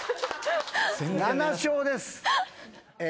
７笑です。